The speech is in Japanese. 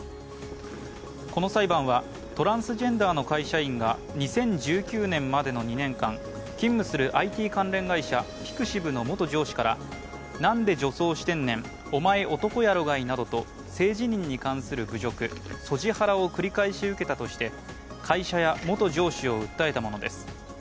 この裁判は、トランスジェンダーの会社員が２０１９年までの２年間、勤務するＩＴ関連会社、ピクシブの元上司から、なんで女装してんねん、おまえ、男やろがいなどと性自認に関する侮辱＝ＳＯＧＩハラを繰り返し受けたとして会社や元上司を訴えたものです。